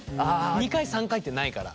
２回３回ってないから。